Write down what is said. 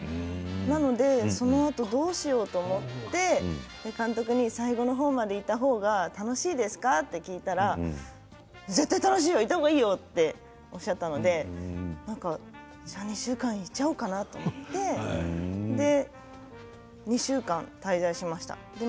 なので、そのあとどうしようと思って監督に最後の方までいた方が楽しいですか？って聞いたら絶対楽しいよ、いた方がいいよとおっしゃったので２週間いちゃおうかなと思って２週間、滞在しました。